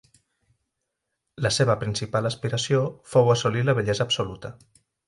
La seva principal aspiració fou assolir la bellesa absoluta.